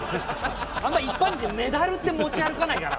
あんまり一般人メダルって持ち歩かないから。